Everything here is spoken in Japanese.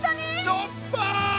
しょっぱい！